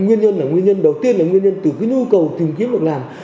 nguyên nhân là nguyên nhân đầu tiên là nguyên nhân từ cái nhu cầu tìm kiếm được làm